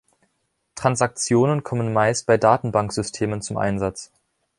Transaktionen kommen meist bei Datenbanksystemen zum Einsatz.